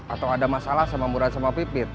atau ada masalah sama murah sama pipit